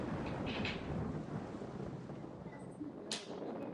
Stal se jednou z nejuznávanějších osobností na poli teoretické muzeologie.